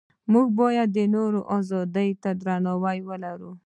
موږ باید د نورو ازادۍ ته درناوی ولرو.